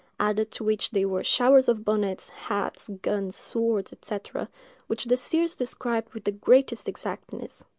&c. added to which there were showers of bonnets, hats, guns, swords, &c., which the seers described with the greatest exactness.